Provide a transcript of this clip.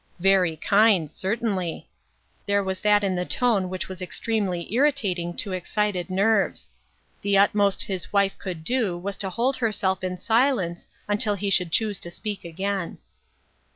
" Very kind, certainly." There was that in the tone which was extremely irritating to excited nerves. The utmost his wife could do was to hold herself in silence until he should choose to speak again.